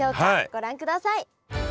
ご覧ください！